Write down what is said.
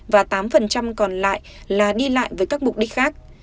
và tám còn lại là đi lại với các mục đích khác